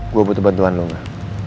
gue butuh bantuan lo gak